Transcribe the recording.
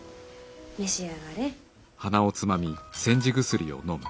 召し上がれ。